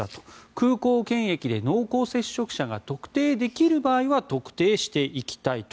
空港検疫で濃厚接触者が特定できる場合は特定していきたいと。